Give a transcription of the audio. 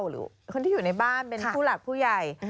หรือคนที่อยู่ในบ้านเป็นผู้หลักผู้ใหญ่